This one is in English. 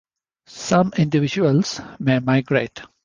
Some individuals may migrate.